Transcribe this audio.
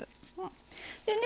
でね